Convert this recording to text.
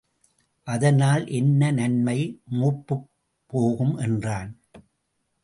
அதனால் என்ன நன்மை? மூப்புப் போகும் என்றான்.